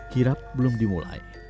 kirap belum dimulai